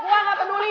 gue gak peduli